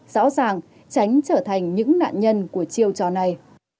rõ ràng tránh trở thành những nạn nhân của chiêu trò này